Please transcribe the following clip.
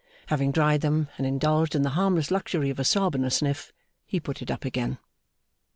Having dried them, and indulged in the harmless luxury of a sob and a sniff, he put it up again.